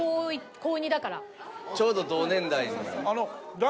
ちょうど同年代。